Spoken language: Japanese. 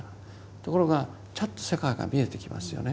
ところがちゃんと世界が見えてきますよね。